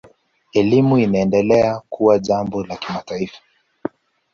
Elimu inaendelea kuwa jambo la kimataifa.